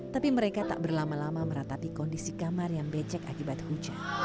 tapi mereka tak berlama lama meratapi kondisi kamar yang becek akibat hujan